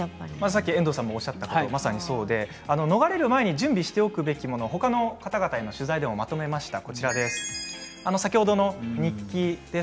さっき遠藤さんもおっしゃった言葉、まさにそうで逃れる前に準備しておくべきことを他の方々の取材でまとめました。